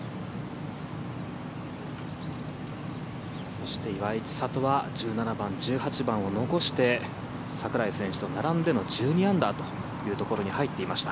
そして岩井千怜は１７番、１８番を残して櫻井選手と並んでの１２アンダーというところに入っていました。